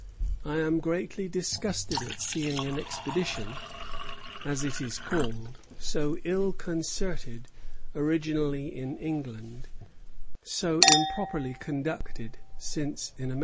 I am greatly disgusted at seeing an expedition (as it is called), so ill concerted originally in England, so improperly conducted since in America."